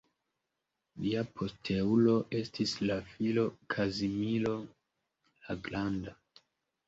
Lia posteulo estis la filo Kazimiro la Granda.